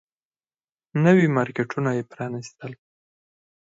نوي مارکيټونه يې پرانيستل.